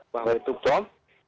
bahwa itu bom